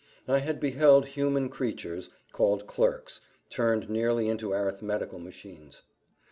I had beheld human creatures, called clerks, turned nearly into arithmetical machines.